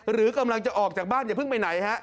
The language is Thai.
หรือกำลังจะออกจากบ้านอย่าเพิ่งไปไหนฮะ